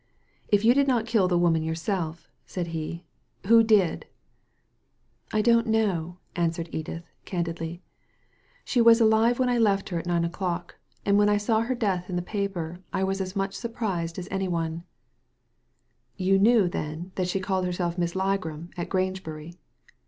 '' If you did not kill the woman yourself," said he, "who did?" " I don't know," answered Edith, candidly. " She was alive when I left her at nine o'clock, and when I saw her death in the paper I was as much surprised as any one." Digitized by Google AN EXPLANATION 175 '•You knew, then, that she called herself Miss Ligram at Grangebury